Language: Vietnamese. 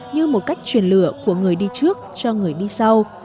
như một cách truyền lửa của người đi trước cho người đi sau